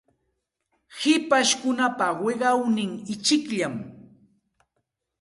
Hipashkunapa wiqawnin ichikllam.